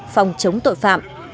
phòng chống tội phạm